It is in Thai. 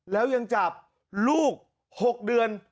แล้วยังจับลูก๖เดือน